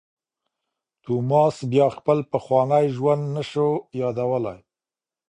توماس بیا خپل پخوانی ژوند نه شو یادولای.